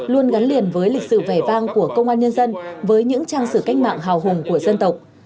luôn gắn liền với lịch sử vẻ vang của công an nhân dân với những trang sử cách mạng hào hùng của dân tộc